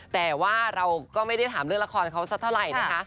แต่ว่าเราก็ไม่ได้ถามเรื่องละครเขาสักเท่าไหร่นะคะ